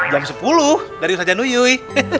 jam sepuluh dari usahanya nuyui